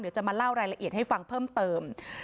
จะมาเล่ารายละเอียดให้ฟังเพิ่มเติม